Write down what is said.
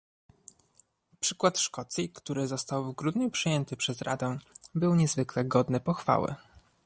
Przykład Szkocji, który został w grudniu przyjęty przez Radę, był niezwykle godny pochwały